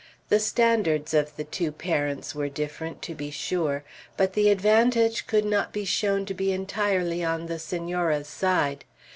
The standards of the two parents were different, to be sure; but the advantage could not be shown to be entirely on the Senora's side.